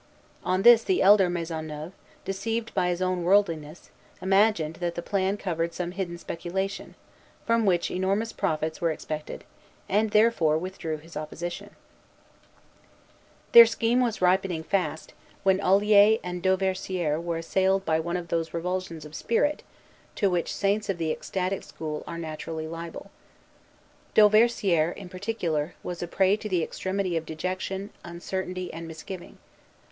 On this the elder Maisonneuve, deceived by his own worldliness, imagined that the plan covered some hidden speculation, from which enormous profits were expected, and therefore withdrew his opposition. Faillon, La Colonie Française, I. 409. Their scheme was ripening fast, when both Olier and Dauversière were assailed by one of those revulsions of spirit, to which saints of the ecstatic school are naturally liable. Dauversière, in particular, was a prey to the extremity of dejection, uncertainty, and misgiving.